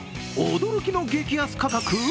驚きの激安価格？